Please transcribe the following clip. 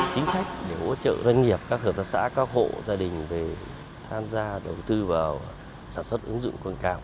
chính sách để hỗ trợ doanh nghiệp các hợp tác xã các hộ gia đình về tham gia đầu tư vào sản xuất ứng dụng con cao